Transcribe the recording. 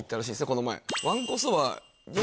この前。